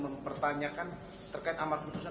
mempertanyakan terkait amat keputusan